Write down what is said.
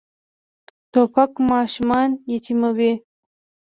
توپک ماشومان یتیموي.